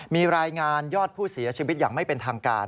มีรายงานยอดผู้เสียชีวิตอย่างไม่เป็นทางการ